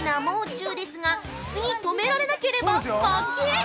もう中ですが、次とめられなければ負け。